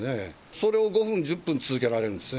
それを５分、１０分続けられるんですね。